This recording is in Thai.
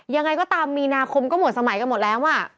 ยังไงก็ตามมีนาคมก็หมดสมัยกันหมดแล้ว